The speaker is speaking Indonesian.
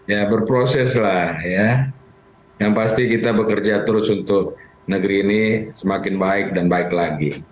ya berproses lah ya yang pasti kita bekerja terus untuk negeri ini semakin baik dan baik lagi